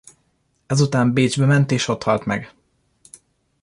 Ezután Bécsbe ment és ott halt meg.